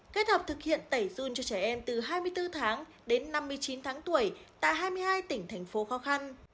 kết hợp thực hiện tẩy dun cho trẻ em từ hai mươi bốn tháng đến năm mươi chín tháng tuổi tại hai mươi hai tỉnh thành phố khó khăn